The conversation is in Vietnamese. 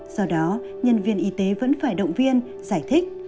do đó nhân viên y tế vẫn phải động viên giải thích